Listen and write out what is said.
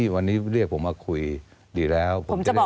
วันนี้เรียกผมมาคุยดีแล้ว